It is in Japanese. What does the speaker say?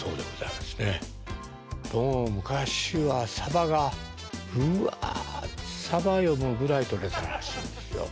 もう昔はサバがうわっサバ読むぐらいとれてたらしいんですよ。